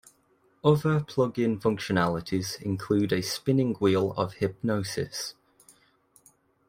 Other plugin functionalities include a spinning wheel of hypnosis.